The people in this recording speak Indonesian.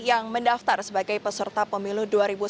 yang mendaftar sebagai peserta pemilu dua ribu sembilan belas